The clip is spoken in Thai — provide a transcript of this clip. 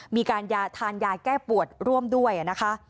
มีการทานยาแก้ปวดร่วมด้วยนะคะ